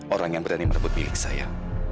orang yang berani merebut milik saya